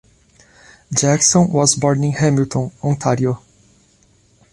Jackson was born in Hamilton, Ontario.